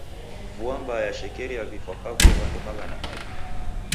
Vua mbaa yashekerie vifwa kavui w'andu maghana aw'i.